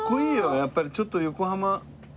やっぱりちょっと横浜横須賀だ。